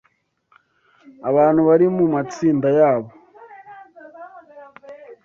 Abantu bari mu matsinda yabo